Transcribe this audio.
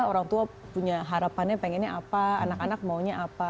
orang tua punya harapannya pengennya apa anak anak maunya apa